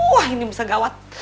wah ini bisa gawat